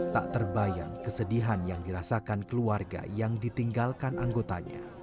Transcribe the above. tak terbayang kesedihan yang dirasakan keluarga yang ditinggalkan anggotanya